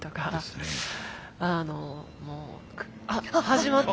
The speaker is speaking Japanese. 始まった。